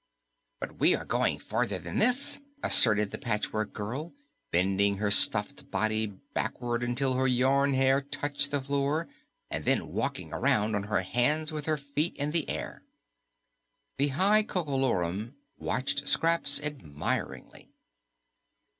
"But we are going farther than this," asserted the Patchwork Girl, bending her stuffed body backward until her yarn hair touched the floor and then walking around on her hands with her feet in the air. The High Coco Lorum watched Scraps admiringly.